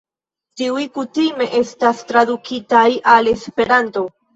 Tiuj kutime estas tradukitaj al Esperanto.